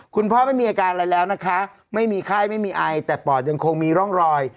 ไม่มีอาการอะไรแล้วนะคะไม่มีไข้ไม่มีไอแต่ปอดยังคงมีร่องรอย